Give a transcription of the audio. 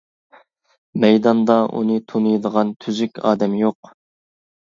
مەيداندا ئۇنى تونۇيدىغان تۈزۈك ئادەم يوق.